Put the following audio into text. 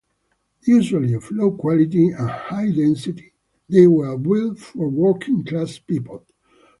Usually of low quality and high density, they were built for working class people.